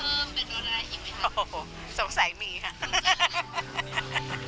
เป็นอะไรอีกไหมคะโอ้โหสงสัยมีค่ะโอ้โหโอ้โหโอ้โหโอ้โห